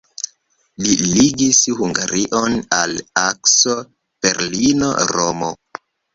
Li ligis Hungarion al akso Berlino-Romo.